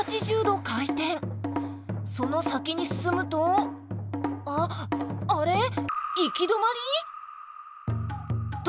その先に進むとああれ行き止まり！？と